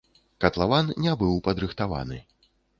Катлаван не быў падрыхтаваны.